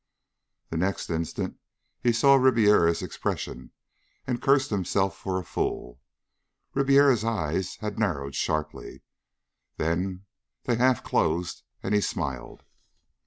The next instant he saw Ribiera's expression, and cursed himself for a fool. Ribiera's eyes had narrowed sharply. Then they half closed, and he smiled.